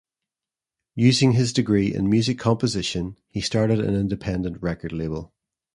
Using his degree in music composition, he started an independent record label.